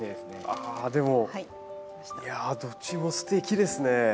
あでもいやどっちもすてきですね。